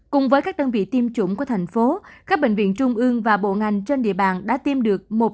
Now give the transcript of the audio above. cùng với các đơn vị tiêm chủng của thành phố các bệnh viện trung ương và bộ ngành trên địa bàn đã tiêm được một bốn trăm linh ba trăm hai mươi ba mũi